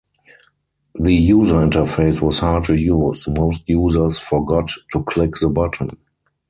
The user interface was hard to use - most users forgot to click the button.